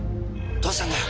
どうしたんだよ？